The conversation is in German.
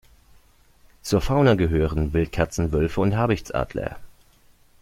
Zur Fauna gehören Wildkatzen, Wölfe und Habichtsadler.